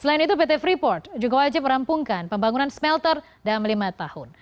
selain itu pt freeport juga wajib merampungkan pembangunan smelter dalam lima tahun